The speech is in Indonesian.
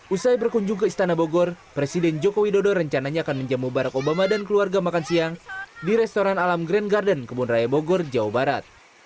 usai berkunjung ke istana bogor presiden joko widodo rencananya akan menjamu barack obama dan keluarga makan siang di restoran alam grand garden kebun raya bogor jawa barat